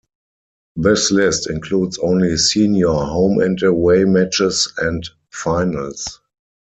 This list includes only senior home-and-away matches and finals.